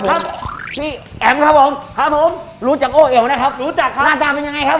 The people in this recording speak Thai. พี่แอมครับผมรู้จักโอเอ๋วนะครับหน้าตาเป็นยังไงครับผม